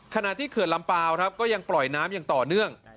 ขณะที่เขื่อนลำเปล่าก็ยังปล่อยน้ำต่อเนื่อง